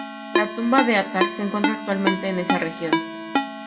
La tumba de Attar, se encuentra actualmente en esa región.